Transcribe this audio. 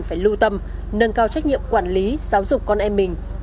phải lưu tâm nâng cao trách nhiệm quản lý giáo dục con em mình